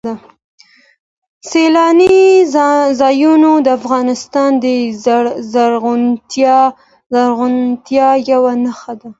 سیلاني ځایونه د افغانستان د زرغونتیا یوه نښه ده.